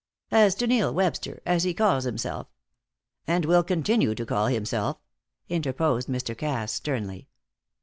As to Neil Webster, as he calls himself " "And will continue to call himself," interposed Mr. Cass, sternly.